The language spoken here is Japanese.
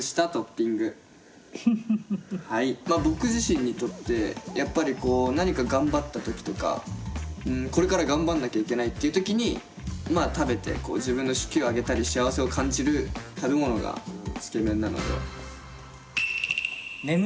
僕自身にとってやっぱり何か頑張った時とかこれから頑張んなきゃいけないっていう時に食べて自分の士気を上げたり幸せを感じる食べ物がつけ麺なので。